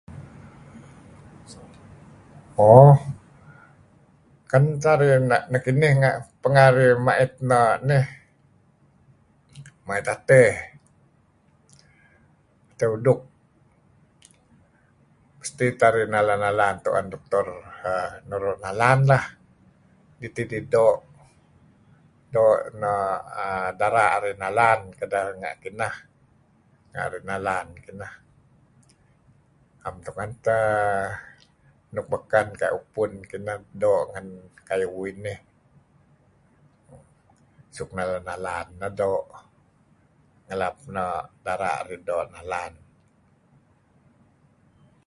Mo, ken teh arih na' nekinih nga' pengeh arih ma'it no' nih, ma'it atey, atey uduk, mesti teh arih nalan-nalan tu'en doktor err nuru' nalan lah, kidih doo' no' dara' arih nalan kedeh. Na'em tungen teh nuk beken kayu' upun kineh doo', kayu' uih nih suk nalan- nalan teh doo' ngalap dara' arih nalan.